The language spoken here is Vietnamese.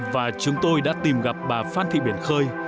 và chúng tôi đã tìm gặp bà phan thị biển khơi